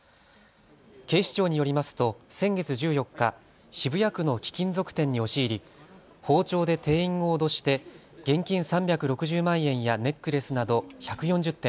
警視庁によりますと先月１４日、渋谷区の貴金属店に押し入り包丁で店員を脅して現金３６０万円やネックレスなど１４０点